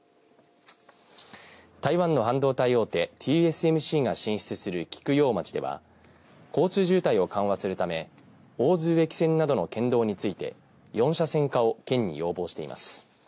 台湾の半導体大手ＴＳＭＣが進出する菊陽町では交通渋滞を緩和するため大津運営汽船などの県道について４車線化を県に要望しています。